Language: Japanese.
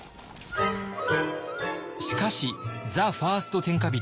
しかしザ・ファースト・天下人